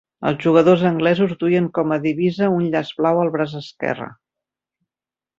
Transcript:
Els jugadors anglesos duien com a divisa un llaç blau al braç esquerre.